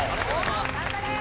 頑張れ！